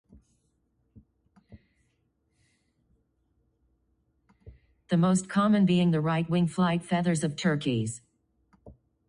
The most common being the right-wing flight feathers of turkeys.